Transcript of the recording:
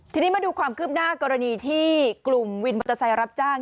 ทีนี้มาดูความคืบหน้ากรณีที่กลุ่มวินมอเตอร์ไซค์รับจ้าง